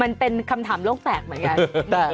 มันเป็นคำถามโลกแตกเหมือนกัน